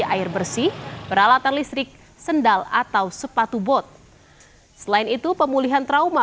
air bersih peralatan listrik sendal atau sepatu bot selain itu pemulihan trauma